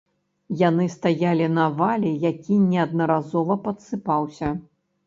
Яны стаялі на вале, які неаднаразова падсыпаўся.